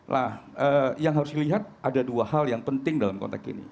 nah yang harus dilihat ada dua hal yang penting dalam konteks ini